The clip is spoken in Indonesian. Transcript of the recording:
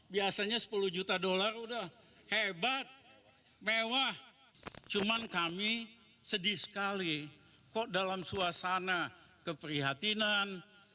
biasanya sepuluh juta dolar udah hebat mewah cuman kami sedih sekali kok dalam suasana keprihatinan